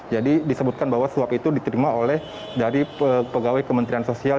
jadi disebutkan bahwa suap itu diterima oleh dari pegawai kementerian sosial